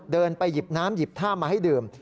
เดินไปหยิบน้ำหยิบท่ามาให้ดื่ม